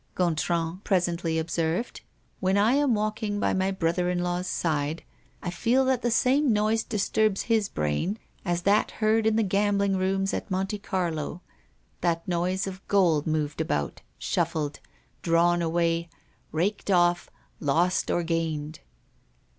Gontran presently observed: "When I am walking by my brother in law's side, I feel that the same noise disturbs his brain as that heard in the gambling rooms at Monte Carlo that noise of gold moved about, shuffled, drawn away, raked off, lost or gained."